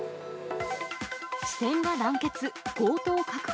支店が団結、強盗確保。